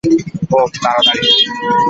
ওহ, তাড়াতাড়ি।